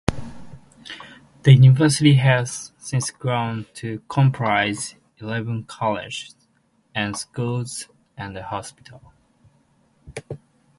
The university has since grown to comprise eleven colleges and schools and a hospital.